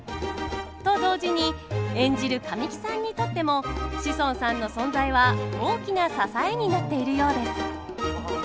と同時に演じる神木さんにとっても志尊さんの存在は大きな支えになっているようです。